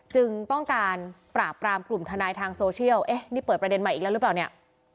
จึงต้องการปราบปรามกลุ่มทนายทางโซเชียลเอ๊ะนี่เปิดประเด็นใหม่อีกแล้วหรือเปล่าเนี่ย